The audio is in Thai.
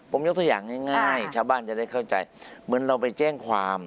ผมยกตัวอย่างง่ายชาวบ้านจะได้เข้าใจเหมือนเราไปแจ้งความ